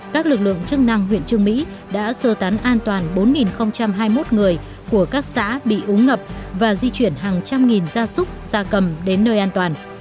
các lực lượng chức năng huyện trương mỹ đã sơ tán an toàn bốn hai mươi một người của các xã bị úng ngập và di chuyển hàng trăm nghìn gia súc gia cầm đến nơi an toàn